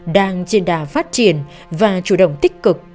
đang trên đà phát triển và chủ động tích cực